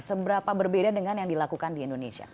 seberapa berbeda dengan yang dilakukan di indonesia